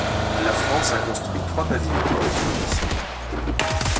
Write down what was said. La France a construit trois pavillons pour l'exposition.